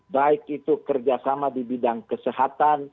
baik itu kerjasama di bidang kesehatan